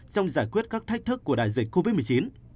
trong giải quyết các thách thức của đại dịch covid một mươi chín